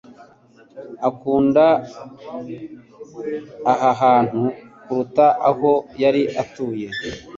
akunda aha hantu kuruta aho yari atuye.